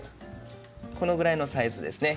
これぐらいのサイズですね。